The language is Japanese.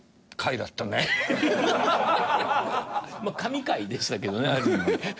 まあ神回でしたけどねある意味。